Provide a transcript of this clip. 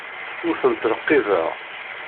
Ur ten-ttṛekkibeɣ.